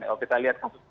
kalau kita lihat kasus kita